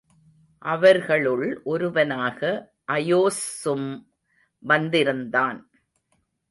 அவர்களுள் ஒருவனாக அயோஸ்ஸும் வந்திருந்தான்.